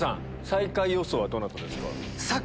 最下位予想はどなたですか？